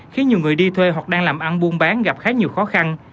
khiến nhiều người đi thuê hoặc đang làm ăn buôn bán gặp khá nhiều khó khăn